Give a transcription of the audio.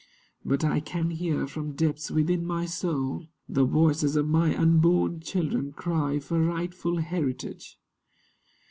But I can hear from depths within my soul The voices of my unborn children cry For rightful heritage.